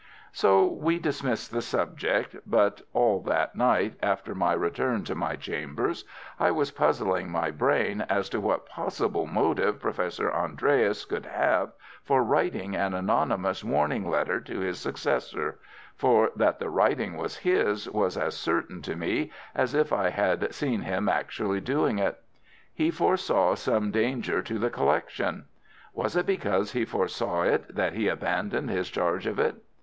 So we dismissed the subject, but all that night after my return to my chambers I was puzzling my brain as to what possible motive Professor Andreas could have for writing an anonymous warning letter to his successor—for that the writing was his was as certain to me as if I had seen him actually doing it. He foresaw some danger to the collection. Was it because he foresaw it that he abandoned his charge of it?